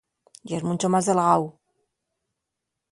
Yes muncho más delgáu.